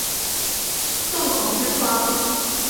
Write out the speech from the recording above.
洞口之窗